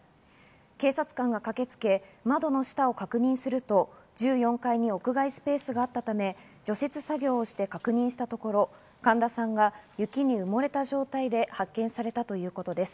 警察官が駆けつけ、窓の下を確認すると１４階の屋外スペースがあったため、除雪作業をして確認したところ、神田さんが雪に埋もれた状態で発見されたということです。